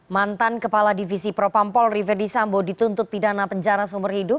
mantan kepala divisi propampolri fedy sambo dituntut pidana penjara seumur hidup